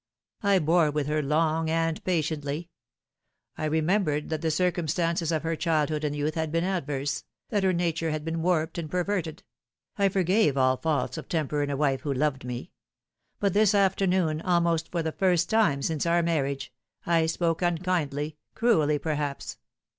I bore with her long and patiently. I remembered that the circum stances of her childhood and youth had been adverse, that her nature had been warped and perverted ; I forgave all faults of temper in a wife who loved me ; but this afternoon almost for the first time siuce our marriage I spoke unkindly, cruelly, perhaps.